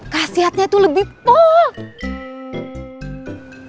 kasihatnya tuh lebih pol